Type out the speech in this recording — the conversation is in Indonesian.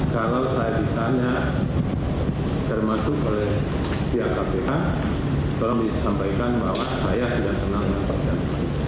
kalau saya ditanya termasuk oleh pihak kpk tolong disampaikan bahwa saya tidak pernah menyampaikan